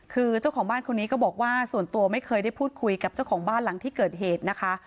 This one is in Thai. คือเจ้าของบ้านคนนี้ก็บอกว่าส่วนตัวไม่เคยได้พูดคุยกับเจ้าของบ้านหลังที่เกิดเหตุนะคะ